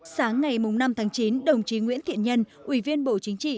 sáng ngày năm tháng chín đồng chí nguyễn thiện nhân ủy viên bộ chính trị